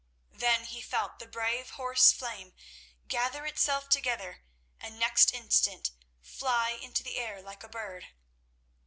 Then he felt the brave horse Flame gather itself together and next instant fly into the air like a bird.